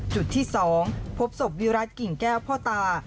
จุดที่๒พบศพวิรัติกิ่งแก้วพ่อตา